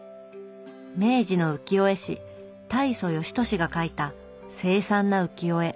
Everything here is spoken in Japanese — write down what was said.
明治の浮世絵師大蘇芳年が描いた凄惨な浮世絵。